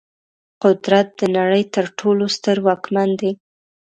قدرت د نړۍ تر ټولو ستر واکمن دی.